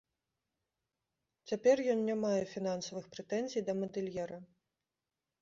Цяпер ён не мае фінансавых прэтэнзій да мадэльера.